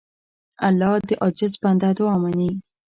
الله د عاجز بنده دعا منې.